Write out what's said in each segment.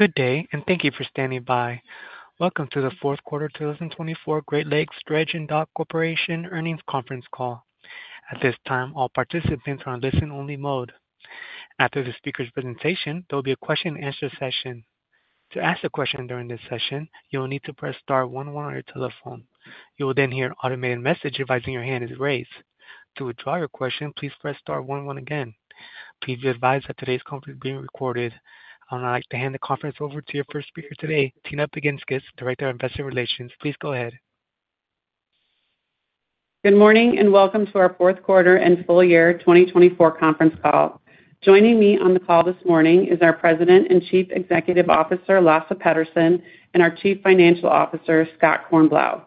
Good day, and thank you for standing by. Welcome to the Fourth Quarter 2024 Great Lakes Dredge & Dock Corporation Earnings Conference Call. At this time, all participants are on listen-only mode. After the speaker's presentation, there will be a question-and-answer session. To ask a question during this session, you will need to press star one one on your telephone. You will then hear an automated message advising your hand is raised. To withdraw your question, please press star one one again. Please be advised that today's conference is being recorded. I would now like to hand the conference over to your first speaker today, Tina Baginskis, Director of Investor Relations. Please go ahead. Good morning, and welcome to our Fourth Quarter and Full Year 2024 Conference Call. Joining me on the call this morning is our President and Chief Executive Officer, Lasse Petterson, and our Chief Financial Officer, Scott Kornblau.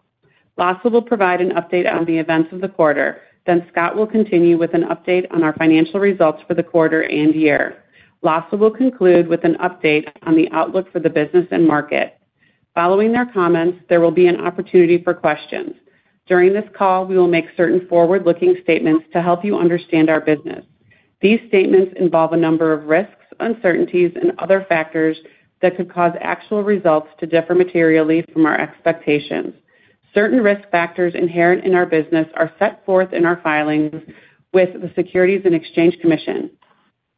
Lasse will provide an update on the events of the quarter. Then Scott will continue with an update on our financial results for the quarter and year. Lasse will conclude with an update on the outlook for the business and market. Following their comments, there will be an opportunity for questions. During this call, we will make certain forward-looking statements to help you understand our business. These statements involve a number of risks, uncertainties, and other factors that could cause actual results to differ materially from our expectations. Certain risk factors inherent in our business are set forth in our filings with the Securities and Exchange Commission.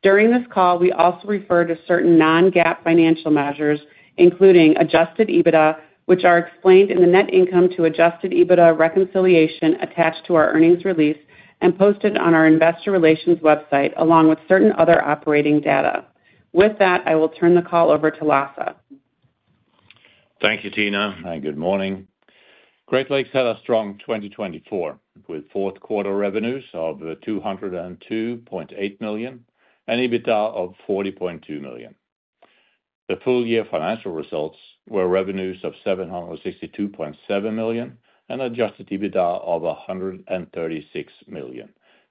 During this call, we also refer to certain Non-GAAP financial measures, including Adjusted EBITDA, which are explained in the net income to Adjusted EBITDA reconciliation attached to our earnings release and posted on our investor relations website, along with certain other operating data. With that, I will turn the call over to Lasse. Thank you, Tina. Hi, good morning. Great Lakes had a strong 2024, with fourth quarter revenues of $202.8 million and EBITDA of $40.2 million. The full year financial results were revenues of $762.7 million and Adjusted EBITDA of $136 million,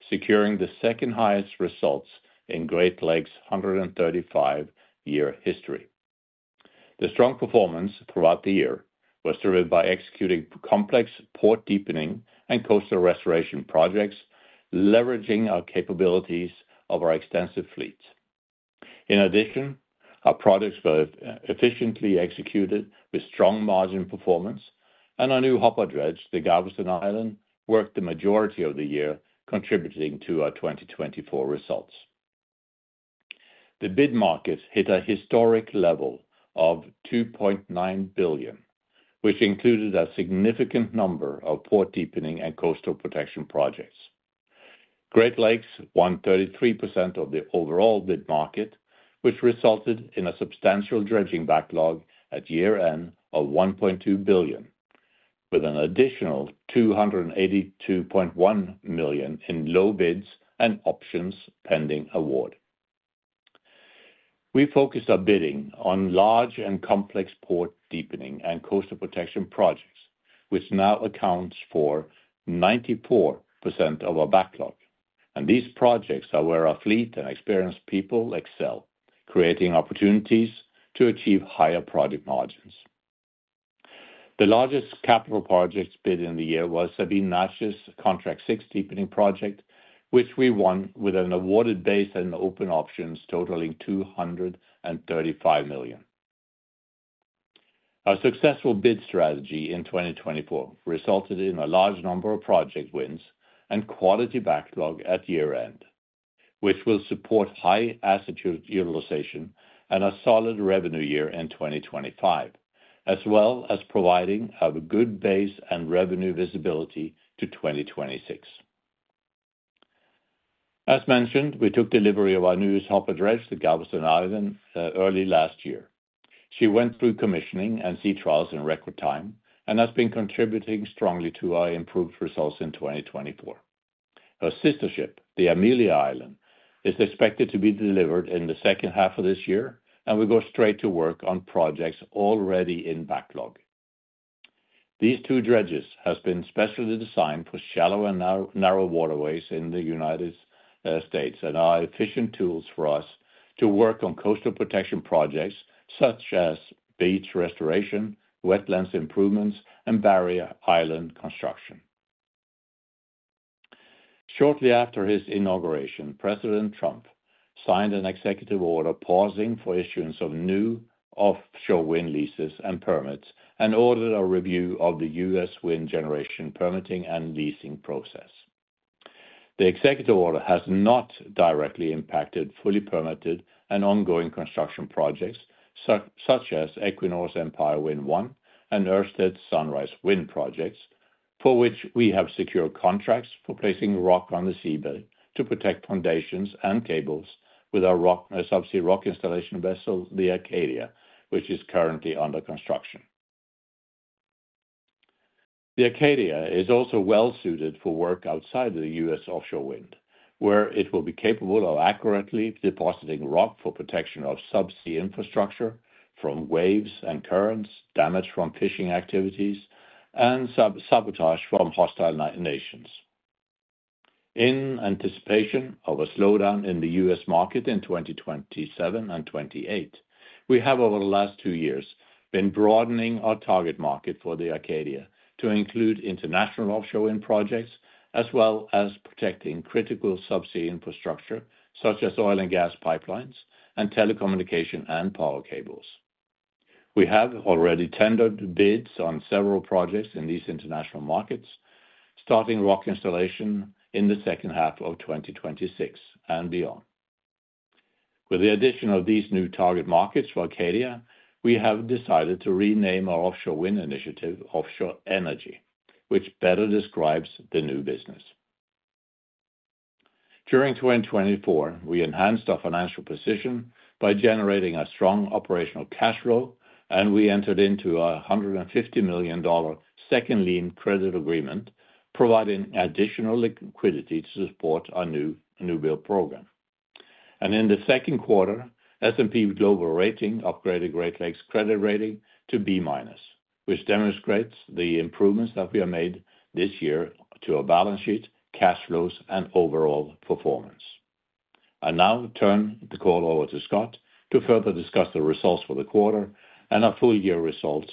securing the second highest results in Great Lakes' 135-year history. The strong performance throughout the year was driven by executing complex port deepening and coastal restoration projects, leveraging our capabilities of our extensive fleet. In addition, our projects were efficiently executed with strong margin performance, and our new hopper dredge, the Galveston Island, worked the majority of the year, contributing to our 2024 results. The bid market hit a historic level of $2.9 billion, which included a significant number of port deepening and coastal protection projects. Great Lakes won 33% of the overall bid market, which resulted in a substantial dredging backlog at year-end of $1.2 billion, with an additional $282.1 million in low bids and options pending award. We focused our bidding on large and complex port deepening and coastal protection projects, which now accounts for 94% of our backlog. And these projects are where our fleet and experienced people excel, creating opportunities to achieve higher project margins. The largest capital projects bid in the year was Sabine-Neches Contract 6 deepening project, which we won with an awarded base and open options totaling $235 million. Our successful bid strategy in 2024 resulted in a large number of project wins and quality backlog at year-end, which will support high asset utilization and a solid revenue year in 2025, as well as providing a good base and revenue visibility to 2026. As mentioned, we took delivery of our newest hopper dredge, the Galveston Island, early last year. She went through commissioning and sea trials in record time and has been contributing strongly to our improved results in 2024. Her sister ship, the Amelia Island, is expected to be delivered in the second half of this year, and we go straight to work on projects already in backlog. These two dredges have been specially designed for shallow and narrow waterways in the United States and are efficient tools for us to work on coastal protection projects such as beach restoration, wetlands improvements, and barrier island construction. Shortly after his inauguration, President Trump signed an executive order pausing for issuance of new offshore wind leases and permits and ordered a review of the U.S. wind generation permitting and leasing process. The executive order has not directly impacted fully permitted and ongoing construction projects such as Equinor's Empire Wind 1 and Ørsted Sunrise Wind projects, for which we have secured contracts for placing rock on the seabed to protect foundations and cables with our subsea rock installation vessel, the Acadia, which is currently under construction. The Acadia is also well-suited for work outside of the U.S. offshore wind, where it will be capable of accurately depositing rock for protection of subsea infrastructure from waves and currents, damage from fishing activities, and sabotage from hostile nations. In anticipation of a slowdown in the U.S. market in 2027 and 2028, we have over the last two years been broadening our target market for the Acadia to include international offshore wind projects, as well as protecting critical subsea infrastructure such as oil and gas pipelines and telecommunication and power cables. We have already tendered bids on several projects in these international markets, starting rock installation in the second half of 2026 and beyond. With the addition of these new target markets for Acadia, we have decided to rename our offshore wind initiative Offshore Energy, which better describes the new business. During 2024, we enhanced our financial position by generating a strong operational cash flow, and we entered into a $150 million second lien credit agreement, providing additional liquidity to support our new annuity program. In the second quarter, S&P Global Ratings upgraded Great Lakes' credit rating to B minus, which demonstrates the improvements that we have made this year to our balance sheet, cash flows, and overall performance. I now turn the call over to Scott to further discuss the results for the quarter and our full year results.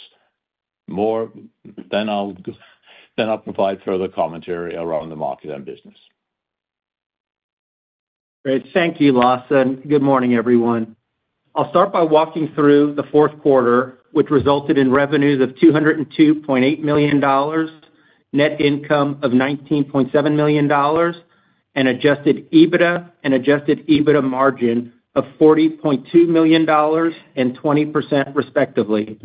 Then I'll provide further commentary around the market and business. Great. Thank you, Lasse. And good morning, everyone. I'll start by walking through the fourth quarter, which resulted in revenues of $202.8 million, net income of $19.7 million, and Adjusted EBITDA and Adjusted EBITDA margin of $40.2 million and 20%, respectively.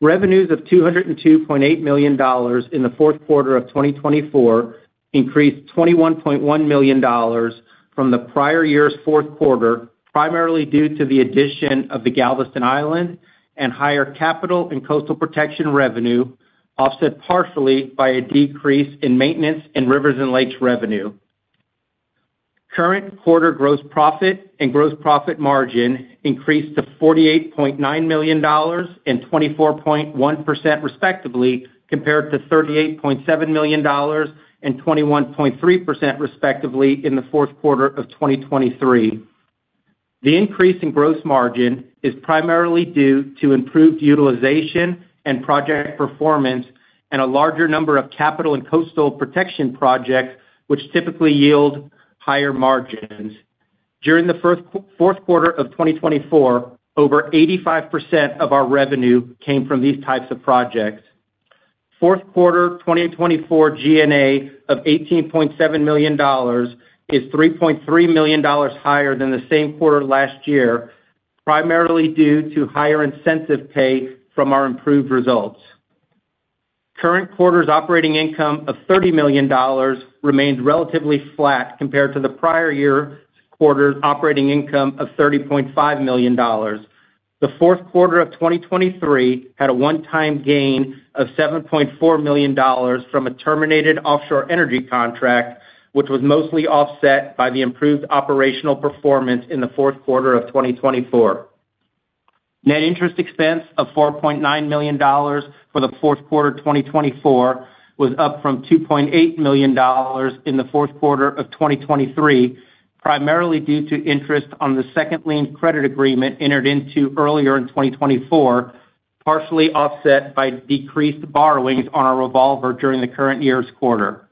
Revenues of $202.8 million in the fourth quarter of 2024 increased $21.1 million from the prior year's fourth quarter, primarily due to the addition of the Galveston Island and higher capital and coastal protection revenue, offset partially by a decrease in maintenance and rivers and lakes revenue. Current quarter gross profit and gross profit margin increased to $48.9 million and 24.1%, respectively, compared to $38.7 million and 21.3%, respectively, in the fourth quarter of 2023. The increase in gross margin is primarily due to improved utilization and project performance and a larger number of capital and coastal protection projects, which typically yield higher margins. During the fourth quarter of 2024, over 85% of our revenue came from these types of projects. Fourth quarter 2024 G&A of $18.7 million is $3.3 million higher than the same quarter last year, primarily due to higher incentive pay from our improved results. Current quarter's operating income of $30 million remained relatively flat compared to the prior year's quarter's operating income of $30.5 million. The fourth quarter of 2023 had a one-time gain of $7.4 million from a terminated offshore energy contract, which was mostly offset by the improved operational performance in the fourth quarter of 2024. Net interest expense of $4.9 million for the fourth quarter 2024 was up from $2.8 million in the fourth quarter of 2023, primarily due to interest on the second lien credit agreement entered into earlier in 2024, partially offset by decreased borrowings on our revolver during the current year's quarter.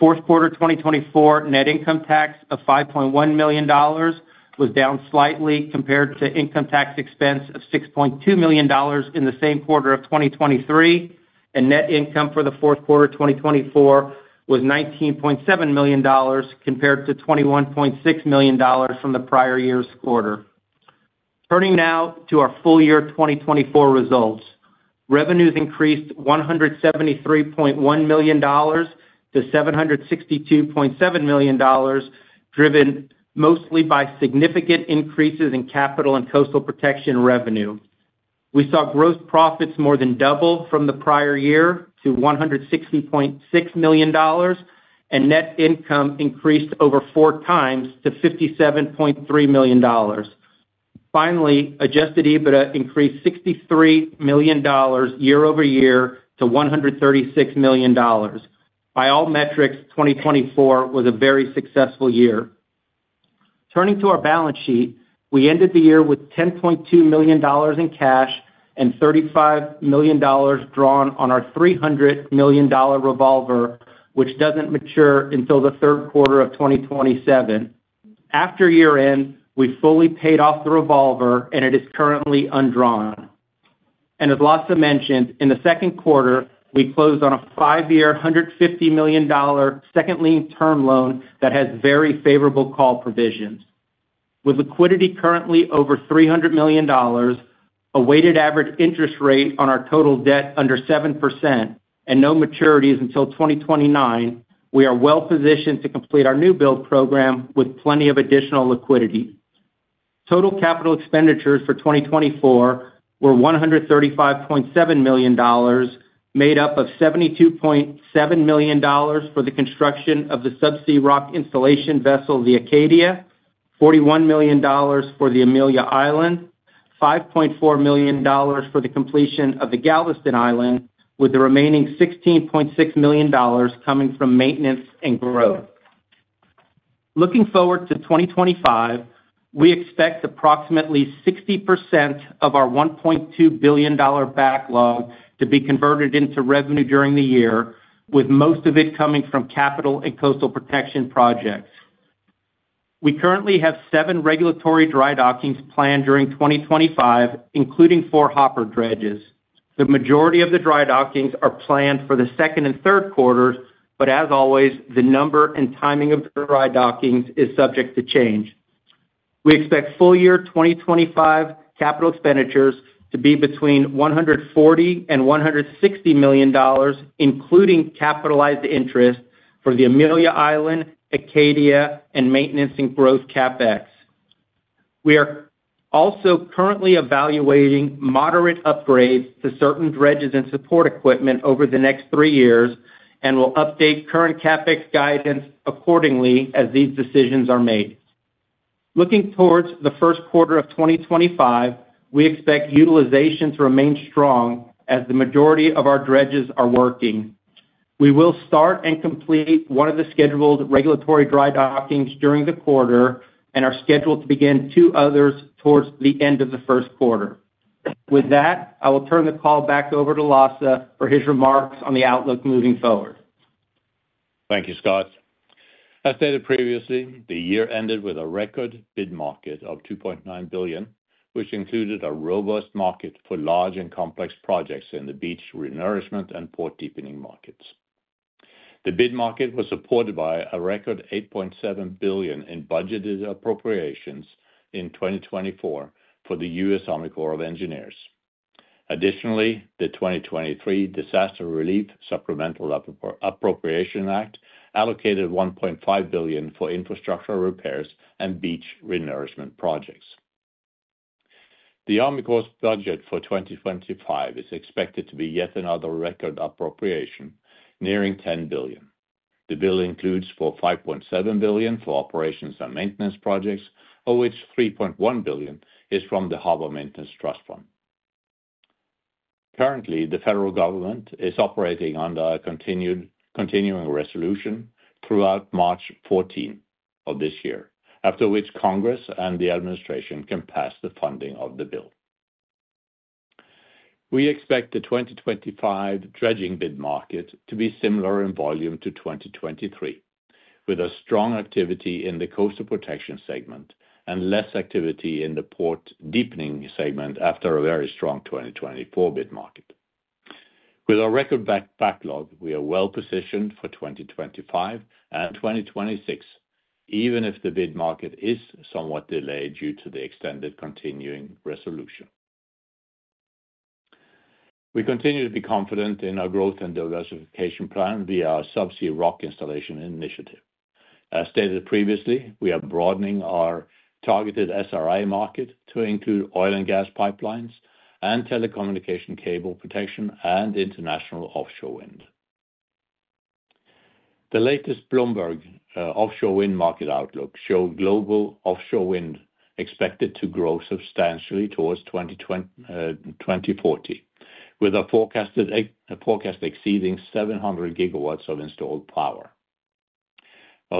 Fourth quarter 2024 net income tax of $5.1 million was down slightly compared to income tax expense of $6.2 million in the same quarter of 2023, and net income for the fourth quarter 2024 was $19.7 million compared to $21.6 million from the prior year's quarter. Turning now to our full year 2024 results, revenues increased $173.1 million to $762.7 million, driven mostly by significant increases in capital and coastal protection revenue. We saw gross profits more than double from the prior year to $160.6 million, and net income increased over four times to $57.3 million. Finally, Adjusted EBITDA increased $63 million year over year to $136 million. By all metrics, 2024 was a very successful year. Turning to our balance sheet, we ended the year with $10.2 million in cash and $35 million drawn on our $300 million revolver, which doesn't mature until the third quarter of 2027. After year-end, we fully paid off the revolver, and it is currently undrawn, and as Lasse mentioned, in the second quarter, we closed on a five-year, $150 million second lien term loan that has very favorable call provisions. With liquidity currently over $300 million, a weighted average interest rate on our total debt under 7%, and no maturities until 2029, we are well-positioned to complete our new build program with plenty of additional liquidity. Total capital expenditures for 2024 were $135.7 million, made up of $72.7 million for the construction of the subsea rock installation vessel, the Acadia, $41 million for the Amelia Island, $5.4 million for the completion of the Galveston Island, with the remaining $16.6 million coming from maintenance and growth. Looking forward to 2025, we expect approximately 60% of our $1.2 billion backlog to be converted into revenue during the year, with most of it coming from capital and coastal protection projects. We currently have seven regulatory dry dockings planned during 2025, including four hopper dredges. The majority of the dry dockings are planned for the second and third quarters, but as always, the number and timing of the dry dockings is subject to change. We expect full year 2025 capital expenditures to be between $140 and $160 million, including capitalized interest for the Amelia Island, Acadia, and maintenance and growth CapEx. We are also currently evaluating moderate upgrades to certain dredges and support equipment over the next three years and will update current CapEx guidance accordingly as these decisions are made. Looking towards the first quarter of 2025, we expect utilization to remain strong as the majority of our dredges are working. We will start and complete one of the scheduled regulatory dry dockings during the quarter and are scheduled to begin two others towards the end of the first quarter. With that, I will turn the call back over to Lasse for his remarks on the outlook moving forward. Thank you, Scott. As stated previously, the year ended with a record bid market of $2.9 billion, which included a robust market for large and complex projects in the beach renourishment and port deepening markets. The bid market was supported by a record $8.7 billion in budgeted appropriations in 2024 for the U.S. Army Corps of Engineers. Additionally, the 2023 Disaster Relief Supplemental Appropriations Act allocated $1.5 billion for infrastructure repairs and beach renourishment projects. The Army Corps' budget for 2025 is expected to be yet another record appropriation, nearing $10 billion. The bill includes $45.7 billion for operations and maintenance projects, of which $3.1 billion is from the Harbor Maintenance Trust Fund. Currently, the federal government is operating under a continuing resolution throughout March 14 of this year, after which Congress and the administration can pass the funding of the bill. We expect the 2025 dredging bid market to be similar in volume to 2023, with a strong activity in the coastal protection segment and less activity in the port deepening segment after a very strong 2024 bid market. With our record backlog, we are well-positioned for 2025 and 2026, even if the bid market is somewhat delayed due to the extended continuing resolution. We continue to be confident in our growth and diversification plan via our subsea rock installation initiative. As stated previously, we are broadening our targeted SRI market to include oil and gas pipelines and telecommunication cable protection and international offshore wind. The latest Bloomberg offshore wind market outlook shows global offshore wind expected to grow substantially towards 2040, with a forecast exceeding 700 GW of installed power.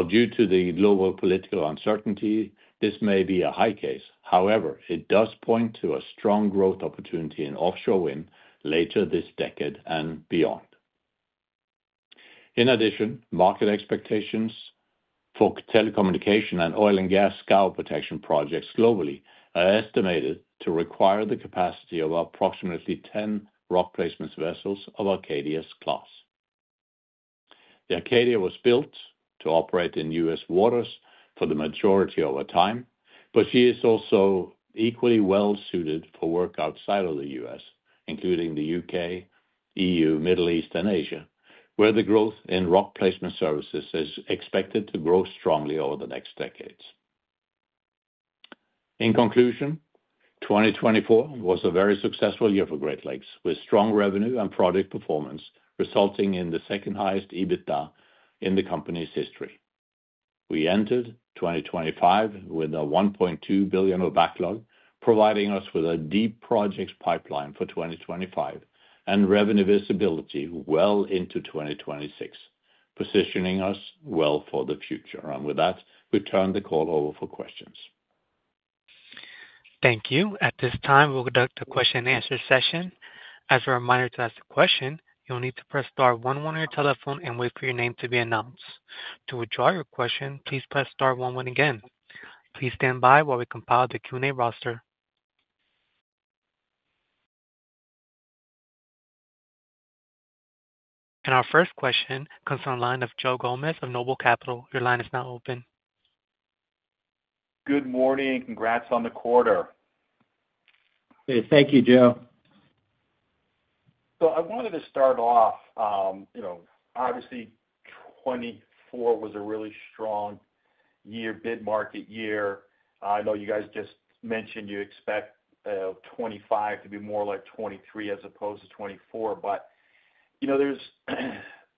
Due to the global political uncertainty, this may be a high case. However, it does point to a strong growth opportunity in offshore wind later this decade and beyond. In addition, market expectations for telecommunication and oil and gas scour protection projects globally are estimated to require the capacity of approximately 10 rock placement vessels of Acadia's class. The Acadia was built to operate in U.S. waters for the majority of our time, but she is also equally well-suited for work outside of the U.S., including the U.K., E.U., Middle East, and Asia, where the growth in rock placement services is expected to grow strongly over the next decades. In conclusion, 2024 was a very successful year for Great Lakes, with strong revenue and project performance resulting in the second-highest EBITDA in the company's history. We entered 2025 with a $1.2 billion backlog, providing us with a deep projects pipeline for 2025 and revenue visibility well into 2026, positioning us well for the future. And with that, we turn the call over for questions. Thank you. At this time, we'll conduct a question-and-answer session. As a reminder to ask a question, you'll need to press star one one on your telephone and wait for your name to be announced. To withdraw your question, please press star one one again. Please stand by while we compile the Q&A roster. And our first question comes from the line of Joe Gomes of NOBLE Capital. Your line is now open. Good morning. Congrats on the quarter. Thank you, Joe. So I wanted to start off, obviously, 2024 was a really strong year, bid market year. I know you guys just mentioned you expect 2025 to be more like 2023 as opposed to 2024. But there's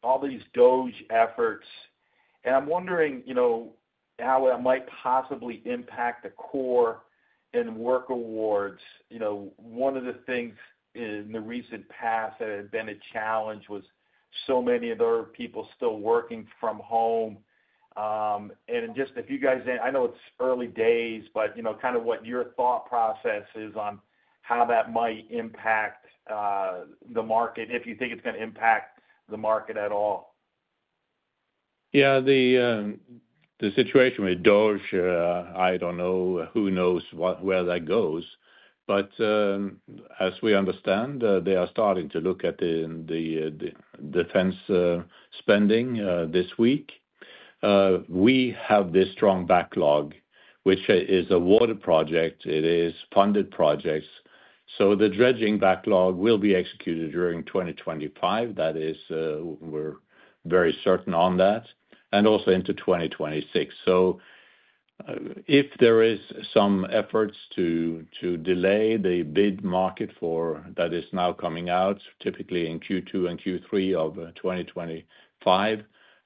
all these DOGE efforts, and I'm wondering how that might possibly impact the core and work awards. One of the things in the recent past that had been a challenge was so many of the people still working from home. And just if you guys—I know it's early days, but kind of what your thought process is on how that might impact the market, if you think it's going to impact the market at all. Yeah, the situation with DOGE, I don't know who knows where that goes. But as we understand, they are starting to look at the defense spending this week. We have this strong backlog, which is a water project. It is funded projects. So the dredging backlog will be executed during 2025. That is, we're very certain on that, and also into 2026. So if there are some efforts to delay the bid market that is now coming out, typically in Q2 and Q3 of 2025,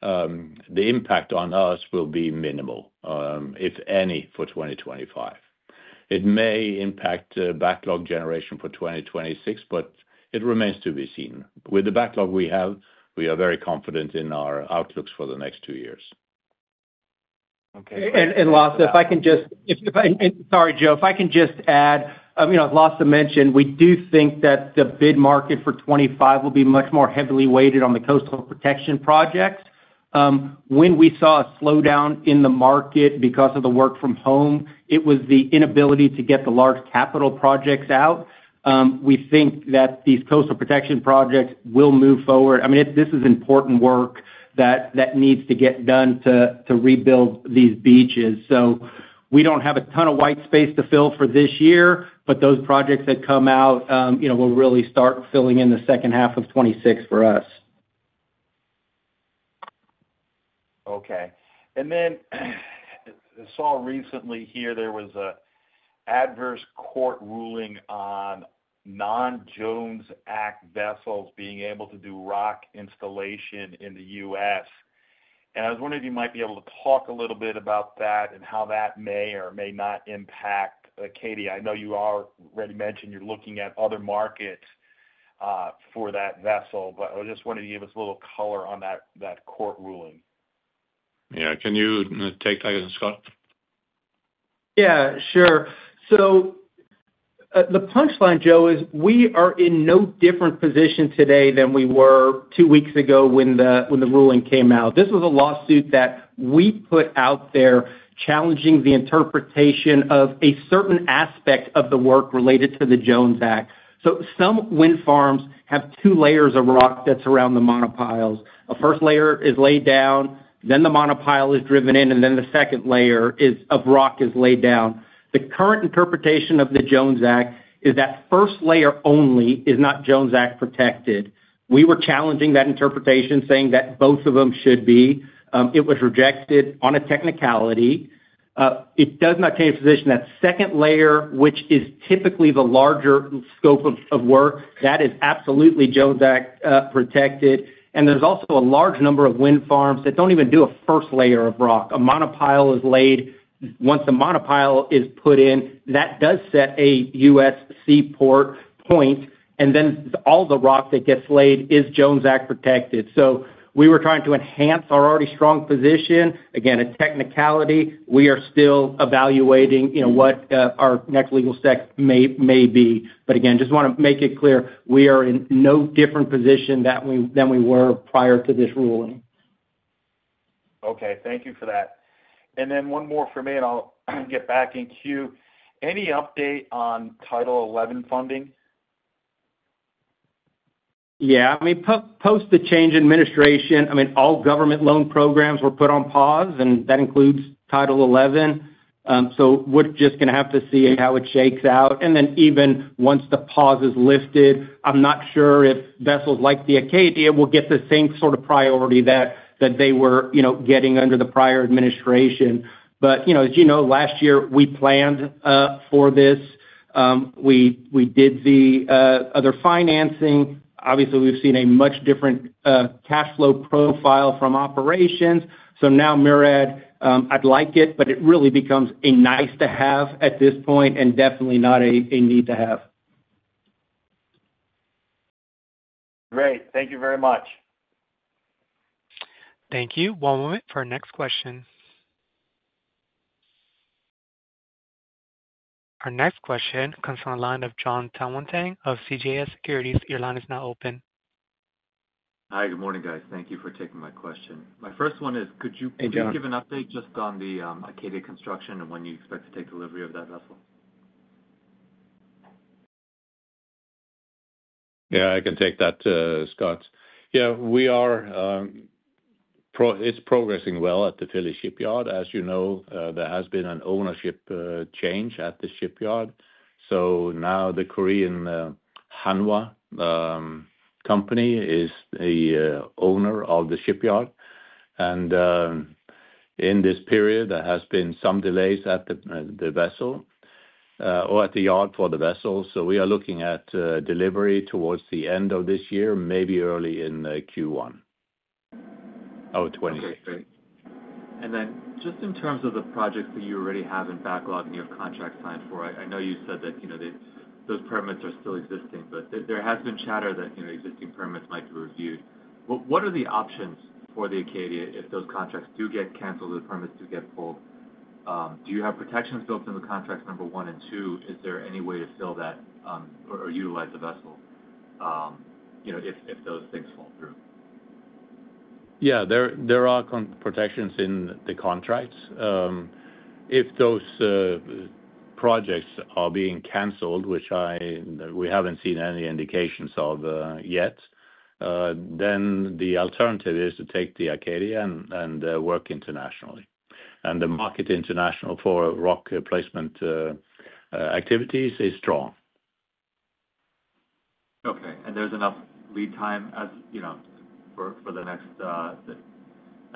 the impact on us will be minimal, if any, for 2025. It may impact backlog generation for 2026, but it remains to be seen. With the backlog we have, we are very confident in our outlooks for the next two years. Okay. Lasse, if I can just, sorry, Joe, if I can just add, as Lasse mentioned, we do think that the bid market for 2025 will be much more heavily weighted on the coastal protection projects. When we saw a slowdown in the market because of the work from home, it was the inability to get the large capital projects out. We think that these coastal protection projects will move forward. I mean, this is important work that needs to get done to rebuild these beaches. So we don't have a ton of white space to fill for this year, but those projects that come out will really start filling in the second half of 2026 for us. Okay. And then I saw recently here there was an adverse court ruling on non-Jones Act vessels being able to do rock installation in the U.S. And I was wondering if you might be able to talk a little bit about that and how that may or may not impact Acadia. I know you already mentioned you're looking at other markets for that vessel, but I just wanted to give us a little color on that court ruling. Yeah. Can you take that again, Scott? Yeah, sure. So the punchline, Joe, is we are in no different position today than we were two weeks ago when the ruling came out. This was a lawsuit that we put out there challenging the interpretation of a certain aspect of the work related to the Jones Act. So some wind farms have two layers of rock that's around the monopiles. A first layer is laid down, then the monopile is driven in, and then the second layer of rock is laid down. The current interpretation of the Jones Act is that first layer only is not Jones Act protected. We were challenging that interpretation, saying that both of them should be. It was rejected on a technicality. It does not change the position that second layer, which is typically the larger scope of work, that is absolutely Jones Act protected. There's also a large number of wind farms that don't even do a first layer of rock. A monopile is laid. Once a monopile is put in, that does set a U.S. support point, and then all the rock that gets laid is Jones Act protected. So we were trying to enhance our already strong position. Again, a technicality. We are still evaluating what our next legal step may be. But again, just want to make it clear, we are in no different position than we were prior to this ruling. Okay. Thank you for that. And then one more for me, and I'll get back in queue. Any update on Title XI Funding? Yeah. I mean, post the change in administration, I mean, all government loan programs were put on pause, and that includes Title XI. So we're just going to have to see how it shakes out. And then even once the pause is lifted, I'm not sure if vessels like the Acadia will get the same sort of priority that they were getting under the prior administration. But as you know, last year, we planned for this. We did the other financing. Obviously, we've seen a much different cash flow profile from operations. So now, MARAD, I'd like it, but it really becomes a nice-to-have at this point and definitely not a need-to-have. Great. Thank you very much. Thank you. One moment for our next question. Our next question comes from the line of Jon Tanwanteng of CJS Securities. Your line is now open. Hi, good morning, guys. Thank you for taking my question. My first one is, could you please give an update just on the Acadia construction and when you expect to take delivery of that vessel? Yeah, I can take that, Scott. Yeah, it's progressing well at the Philly Shipyard. As you know, there has been an ownership change at the shipyard. So now the Korean Hanwha Company is the owner of the shipyard. And in this period, there have been some delays at the vessel or at the yard for the vessel. So we are looking at delivery towards the end of this year, maybe early in Q1 of 2026. Okay. And then just in terms of the projects that you already have in backlog and you have contracts signed for, I know you said that those permits are still existing, but there has been chatter that existing permits might be reviewed. What are the options for the Acadia if those contracts do get canceled or the permits do get pulled? Do you have protections built in the contracts number one and two? Is there any way to fill that or utilize the vessel if those things fall through? Yeah, there are protections in the contracts. If those projects are being canceled, which we haven't seen any indications of yet, then the alternative is to take the Acadia and work internationally. And the market international for rock placement activities is strong. Okay. And there's enough lead time for the next, I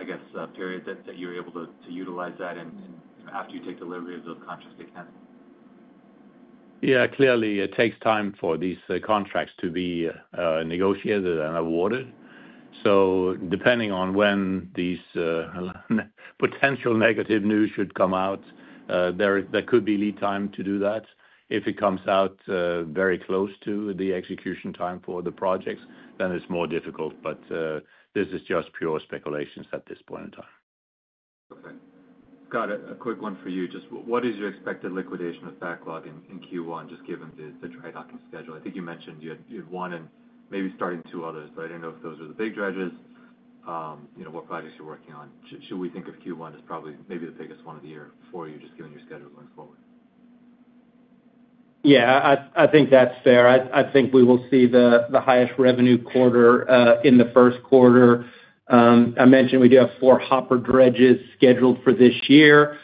guess, period that you're able to utilize that after you take delivery of those? Contracts get canceled? Yeah, clearly, it takes time for these contracts to be negotiated and awarded. So depending on when these potential negative news should come out, there could be lead time to do that. If it comes out very close to the execution time for the projects, then it's more difficult. But this is just pure speculations at this point in time. Okay. Got it. A quick one for you. Just what is your expected liquidation of backlog in Q1, just given the trade-off in schedule? I think you mentioned you had one and maybe starting two others, but I didn't know if those were the big dredges, what projects you're working on. Should we think of Q1 as probably maybe the biggest one of the year for you, just given your schedule going forward? Yeah, I think that's fair. I think we will see the highest revenue quarter in the first quarter. I mentioned we do have four hopper dredges scheduled for this year.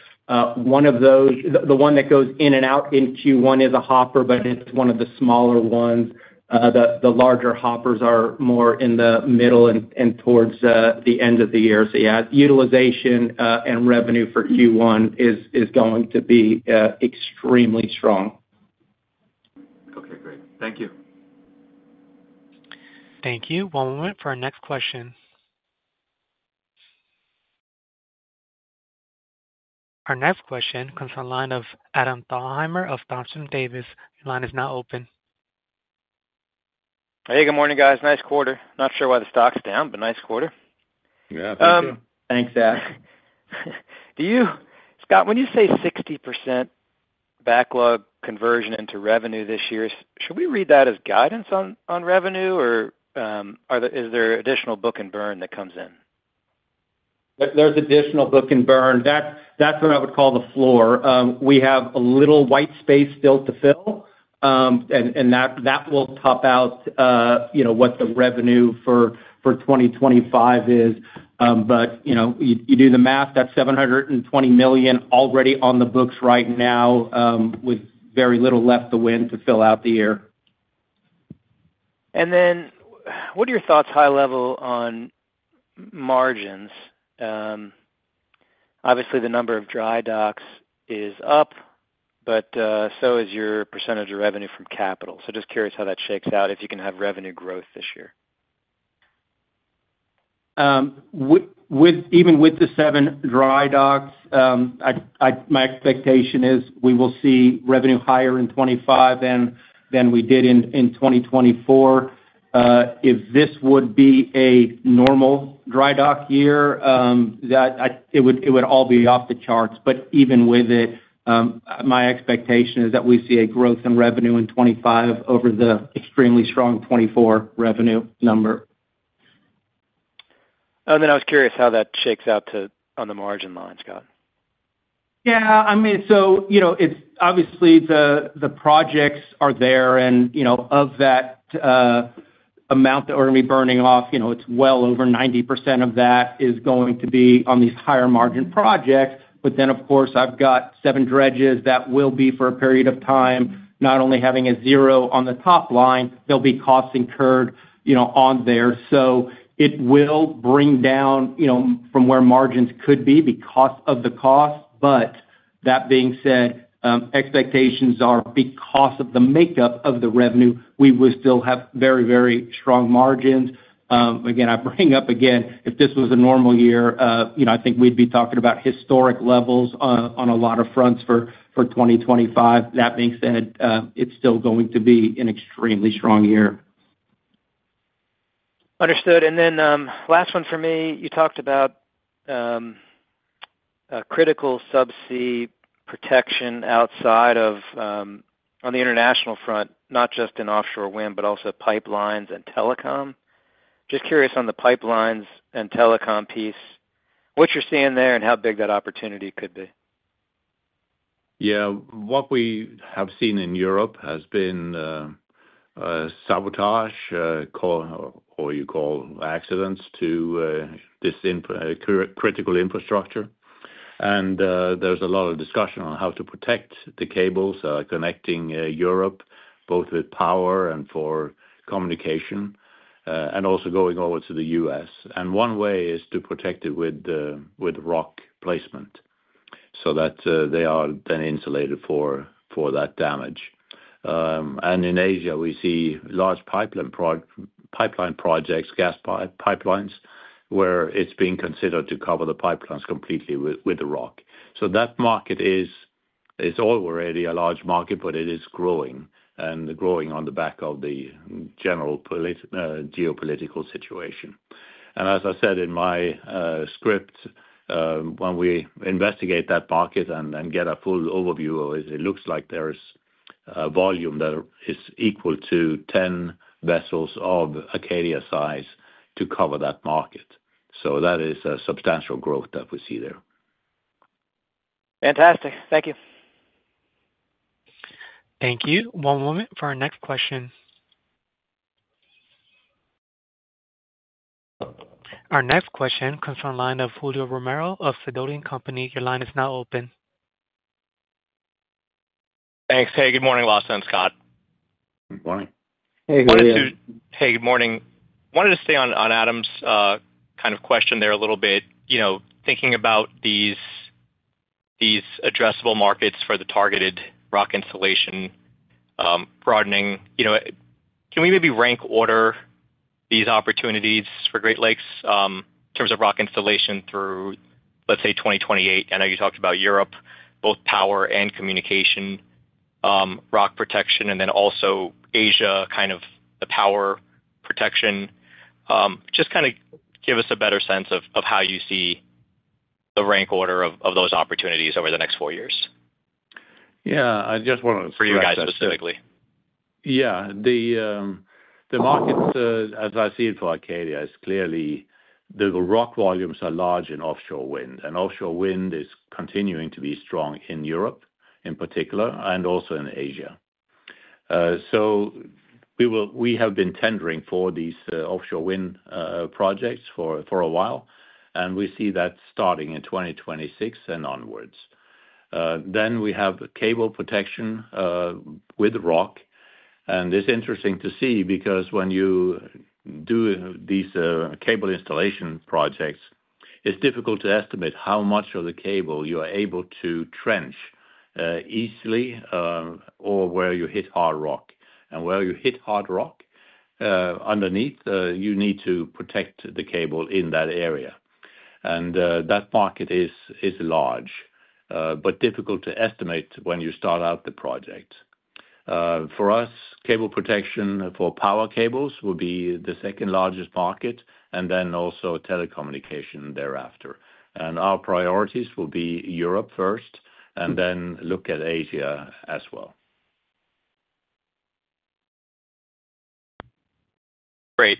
One of those, the one that goes in and out in Q1 is a hopper, but it's one of the smaller ones. The larger hoppers are more in the middle and towards the end of the year. So yeah, utilization and revenue for Q1 is going to be extremely strong. Okay. Great. Thank you. Thank you. One moment for our next question. Our next question comes from the line of Adam Thalhimer of Thompson Davis. Your line is now open. Hey, good morning, guys. Nice quarter. Not sure why the stock's down, but nice quarter. Yeah, thank you. Thanks, Lasse. Scott, when you say 60% backlog conversion into revenue this year, should we read that as guidance on revenue, or is there additional book and burn that comes in? There's additional book and burn. That's what I would call the floor. We have a little white space still to fill, and that will top out what the revenue for 2025 is. But you do the math, that's $720 million already on the books right now with very little left to win to fill out the year. And then what are your thoughts high level on margins? Obviously, the number of dry docks is up, but so is your percentage of revenue from capital. So just curious how that shakes out if you can have revenue growth this year. Even with the seven dry docks, my expectation is we will see revenue higher in 2025 than we did in 2024. If this would be a normal dry dock year, it would all be off the charts, but even with it, my expectation is that we see a growth in revenue in 2025 over the extremely strong 2024 revenue number. I was curious how that shakes out on the margin line, Scott. Yeah. I mean, so obviously, the projects are there, and of that amount that we're going to be burning off, it's well over 90% of that is going to be on these higher margin projects. But then, of course, I've got seven dredges that will be for a period of time, not only having a zero on the top line, there'll be costs incurred on there. So it will bring down from where margins could be because of the cost. But that being said, expectations are because of the makeup of the revenue, we will still have very, very strong margins. Again, I bring up again, if this was a normal year, I think we'd be talking about historic levels on a lot of fronts for 2025. That being said, it's still going to be an extremely strong year. Understood, and then last one for me, you talked about critical subsea protection outside of on the international front, not just in offshore wind, but also pipelines and telecom. Just curious on the pipelines and telecom piece, what you're seeing there and how big that opportunity could be. Yeah. What we have seen in Europe has been sabotage or you call accidents to this critical infrastructure. And there's a lot of discussion on how to protect the cables connecting Europe, both with power and for communication, and also going over to the U.S. And one way is to protect it with rock placement so that they are then insulated for that damage. And in Asia, we see large pipeline projects, gas pipelines, where it's being considered to cover the pipelines completely with the rock. So that market is already a large market, but it is growing and growing on the back of the general geopolitical situation. And as I said in my script, when we investigate that market and get a full overview, it looks like there is a volume that is equal to 10 vessels of Acadia size to cover that market. So that is a substantial growth that we see there. Fantastic. Thank you. Thank you. One moment for our next question. Our next question comes from the line of Julio Romero of Sidoti & Company. Your line is now open. Thanks. Hey, good morning, Lasse. Scott. Good morning. Hey, Julio. Hey, good morning. Wanted to stay on Adam's kind of question there a little bit. Thinking about these addressable markets for the targeted rock installation broadening, can we maybe rank order these opportunities for Great Lakes in terms of rock installation through, let's say, 2028? I know you talked about Europe, both power and communication, rock protection, and then also Asia, kind of the power protection. Just kind of give us a better sense of how you see the rank order of those opportunities over the next four years. Yeah. I just want to. For you guys specifically. Yeah. The market, as I see it for Acadia, is clearly the rock volumes are large in offshore wind. Offshore wind is continuing to be strong in Europe, in particular, and also in Asia. We have been tendering for these offshore wind projects for a while, and we see that starting in 2026 and onwards. We have cable protection with rock. It's interesting to see because when you do these cable installation projects, it's difficult to estimate how much of the cable you are able to trench easily or where you hit hard rock. Where you hit hard rock underneath, you need to protect the cable in that area. That market is large, but difficult to estimate when you start out the project. For us, cable protection for power cables will be the second largest market, and then also telecommunication thereafter. Our priorities will be Europe first and then look at Asia as well. Great.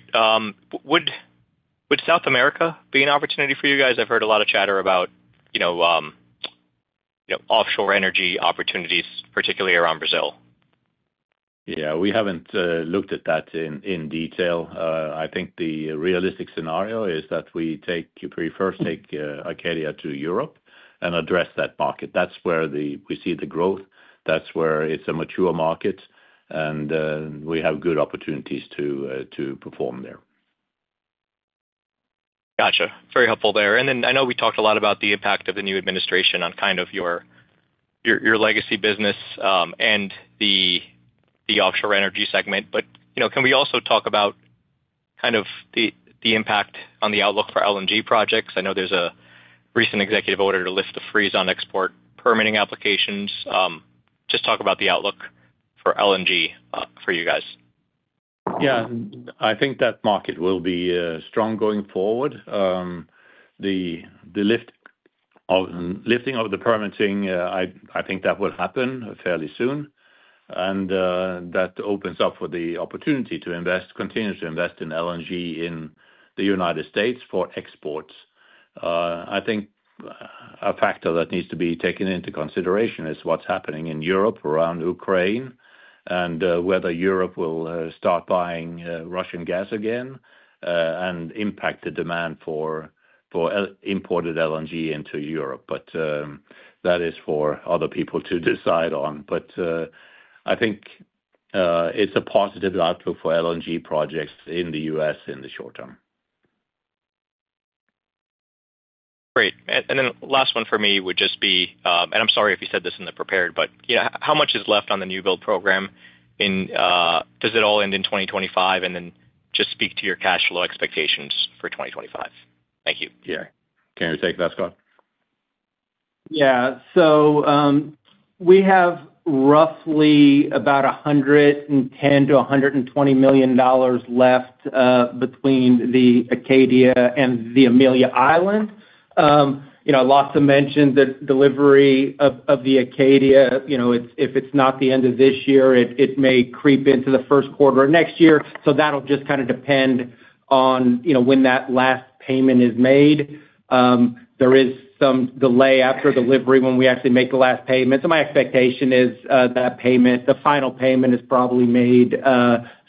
Would South America be an opportunity for you guys? I've heard a lot of chatter about offshore energy opportunities, particularly around Brazil. Yeah. We haven't looked at that in detail. I think the realistic scenario is that we first take Acadia to Europe and address that market. That's where we see the growth. That's where it's a mature market, and we have good opportunities to perform there. Gotcha. Very helpful there. And then I know we talked a lot about the impact of the new administration on kind of your legacy business and the offshore energy segment. But can we also talk about kind of the impact on the outlook for LNG projects? I know there's a recent executive order to lift the freeze on export permitting applications. Just talk about the outlook for LNG for you guys. Yeah. I think that market will be strong going forward. The lifting of the permitting, I think that will happen fairly soon. And that opens up for the opportunity to invest, continue to invest in LNG in the United States for exports. I think a factor that needs to be taken into consideration is what's happening in Europe around Ukraine and whether Europe will start buying Russian gas again and impact the demand for imported LNG into Europe. But that is for other people to decide on. But I think it's a positive outlook for LNG projects in the U.S. in the short term. Great. And then last one for me would just be—and I'm sorry if you said this in the prepared—but how much is left on the new build program? Does it all end in 2025? And then just speak to your cash flow expectations for 2025. Thank you. Yeah. Can you take that, Scott? Yeah. So we have roughly about $110 million-$120 million left between the Acadia and the Amelia Island. Lasse mentioned that delivery of the Acadia, if it's not the end of this year, it may creep into the first quarter of next year. So that'll just kind of depend on when that last payment is made. There is some delay after delivery when we actually make the last payment. So my expectation is that the final payment is probably made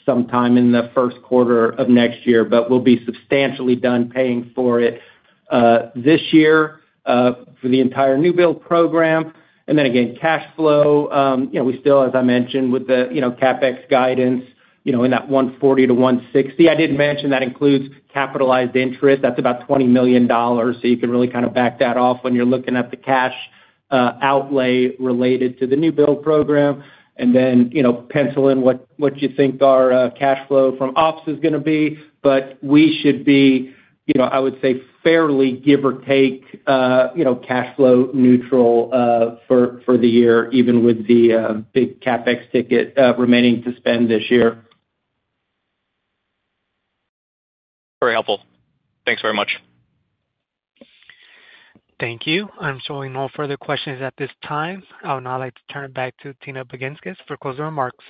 sometime in the first quarter of next year, but we'll be substantially done paying for it this year for the entire new build program. And then again, cash flow, we still, as I mentioned, with the CapEx guidance in that $140-$160. I did mention that includes capitalized interest. That's about $20 million. So you can really kind of back that off when you're looking at the cash outlay related to the new build program. And then pencil in what you think our cash flow from ops is going to be. But we should be, I would say, fairly give or take cash flow neutral for the year, even with the big CapEx ticket remaining to spend this year. Very helpful. Thanks very much. Thank you. I'm showing no further questions at this time. I would now like to turn it back to Tina Baginskis for closing remarks.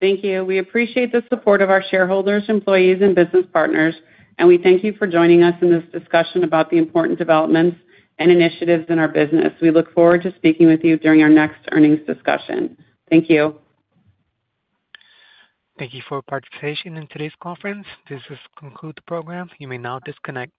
Thank you. We appreciate the support of our shareholders, employees, and business partners, and we thank you for joining us in this discussion about the important developments and initiatives in our business. We look forward to speaking with you during our next earnings discussion. Thank you. Thank you for participating in today's conference. This has concluded the program. You may now disconnect.